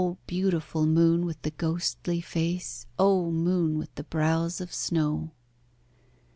beautiful moon with the ghostly face, Oh! moon with the brows of snow.